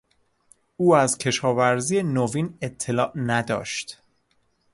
او از کشاورزی نوین اطلاع نداشت.